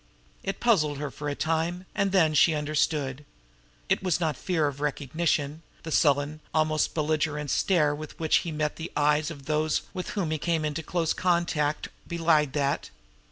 It puzzled her for a time, and then she understood: It was not fear of recognition; the sullen, almost belligerent stare with which he met the eyes of those with whom he came into close contact belied that.